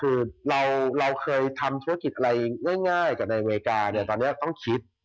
เราเคยทำธุรกิจอะไรง่ายก่อนในไว้กาแต่ตอนนี้ต้องคิด